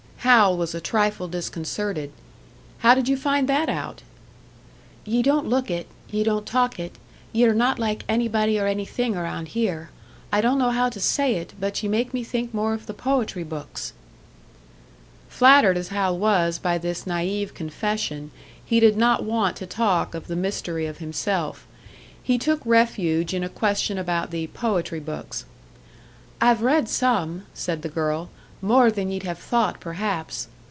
Hal was a trifle disconcerted. "How did you find that out?" "Ye don't look it ye don't talk it. Ye're not like anybody or anything around here. I don't know how to say it, but ye make me think more of the poetry books." Flattered as Hal was by this naïve confession, he did not want to talk of the mystery of himself. He took refuge in a question about the "poetry books." "I've read some," said the girl; "more than ye'd have thought, perhaps."